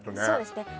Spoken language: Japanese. そうですね